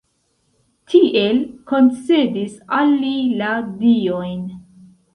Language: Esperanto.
Tiel koncedis al li la diojn.